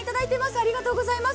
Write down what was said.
ありがとうございます。